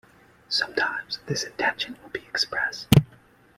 Sometimes, this intention will be express.